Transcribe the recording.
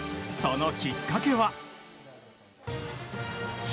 そのきっかけは。